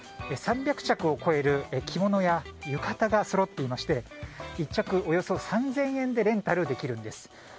３００着を超える着物や浴衣がそろっていまして１着およそ３０００円でレンタルできるんです。